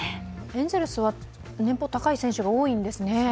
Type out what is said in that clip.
エンゼルスは年俸高い選手が多いんですね。